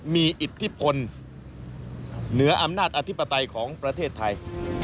มีอิทธิพลเหนืออำนาจอธิปไตยของประเทศไทย